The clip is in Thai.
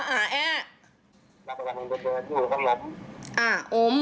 รับประกันมันเบอร์เบอร์ที่หัวหยม